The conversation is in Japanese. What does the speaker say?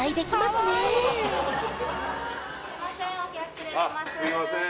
すいません